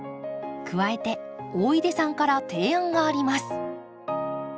加えて大出さんから提案があります。